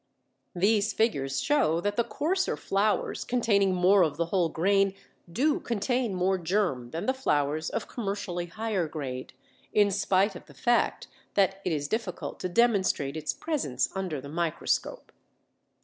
These figures show that the coarser flours containing more of the whole grain do contain more germ than the flours of commercially higher grade, in spite of the fact that it is difficult to demonstrate its presence under the microscope.